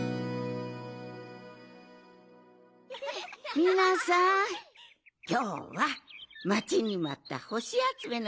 みなさんきょうはまちにまったほしあつめのひですね。